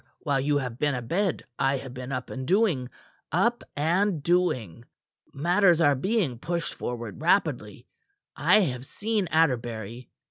While you have been abed, I have been up and doing; up and doing. Matters are being pushed forward rapidly. I have seen Atterbury.